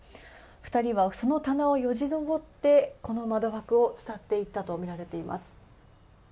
２人はその棚をよじ登ってこの窓枠を伝っていったとみられています。